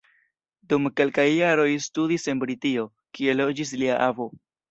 Dum kelkaj jaroj studis en Britio, kie loĝis lia avo.